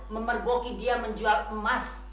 memergoki dia menjual emas